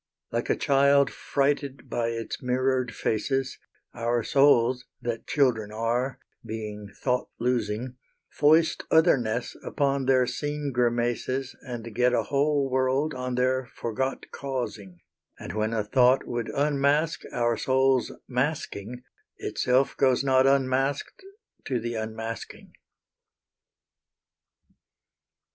Like a child frighted by its mirrored faces, Our souls, that children are, being thought losing, Foist otherness upon their seen grimaces And get a whole world on their forgot causing; And, when a thought would unmask our soul's masking, Itself goes not unmasked to the unmasking.